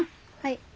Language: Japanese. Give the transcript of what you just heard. はい。